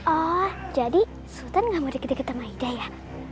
oh jadi sultan gak mau deket deket sama aida ya